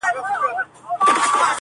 څوك به اوري فريادونه د زخميانو٫